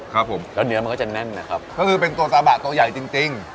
ครับผมแล้วเนื้อมันก็จะแน่นนะครับก็คือเป็นตัวซาบะตัวใหญ่จริงจริง